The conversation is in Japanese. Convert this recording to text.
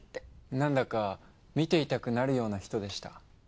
なんだか見ていたくなるような人でした。